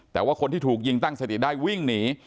แต่ว่าคนที่ถูกยิงตั้งสติได้วิ่งหนี